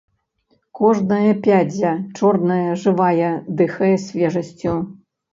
Кожная пядзя, чорная, жывая, дыхае свежасцю.